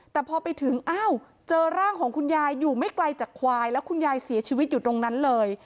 แต่พอไปถึงอ้าวเจอร่างของคุณยายอยู่ไม่ไกลจากควายแล้วคุณยายเสียชีวิตอยู่ตรงนั้นเลย